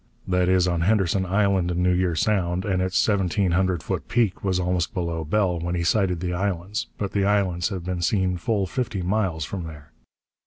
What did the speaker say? That is on Henderson Island in New Year Sound, and its seventeen hundred foot peak was almost below Bell when he sighted the islands. But the islands have been seen full fifty miles from there.